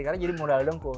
karena jadi modal dongku